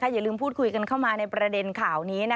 อย่าลืมพูดคุยกันเข้ามาในประเด็นข่าวนี้